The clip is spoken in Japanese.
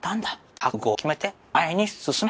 覚悟を決めて前に進め！